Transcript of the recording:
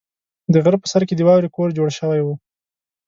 د غره په سر کې د واورې کور جوړ شوی و.